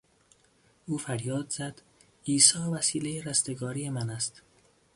او فریاد زد، "عیسی وسیلهی رستگاری من است!"